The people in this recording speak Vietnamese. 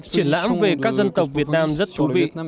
triển lãm về các dân tộc việt nam rất thú vị